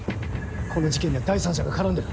この事件には第三者が絡んでる。